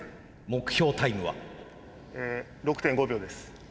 目標タイムは？え６．５秒です。